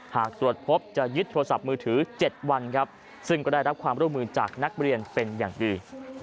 หากตรวจพบจะยึดโทรศัพท์มือถือ๗วันครับซึ่งก็ได้รับความร่วมมือจากนักเรียนเป็นอย่างดี